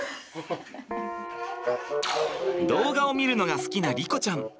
動画を見るのが好きな莉子ちゃん。